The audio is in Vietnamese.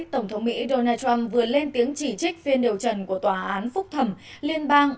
tổng thống mỹ donald trump vừa lên tiếng chỉ trích phiên điều trần của tòa án phúc thẩm liên bang